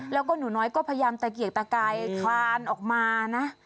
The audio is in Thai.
แล้วก็หนูน้อยก็พยายามตะเกียกตะกายคลานออกมานะ